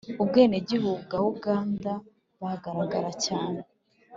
ubwenegihugu bwa uganda bagaragaraga cyane